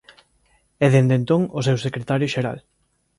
É dende entón o seu secretario xeral.